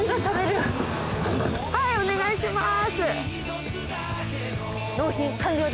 はいお願いしまーす。